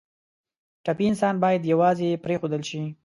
ټپي انسان باید یوازې پرېنښودل شي.